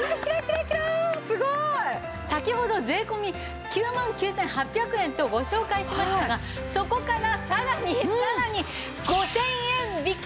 すごい！先ほど税込９万９８００円とご紹介しましたがそこからさらにさらに５０００円引き！